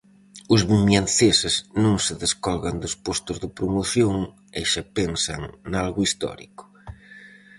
Os vimianceses non se descolgan dos postos de promoción e xa pensan nalgo histórico.